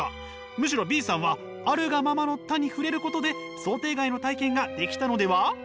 むしろＢさんは「あるがままの多」に触れることで想定外の体験ができたのでは？